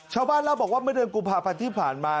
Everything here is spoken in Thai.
ชาวบ้านแล้วบอกว่าเมื่อเดือนกลุ่มผ่าพัดที่ผ่านมา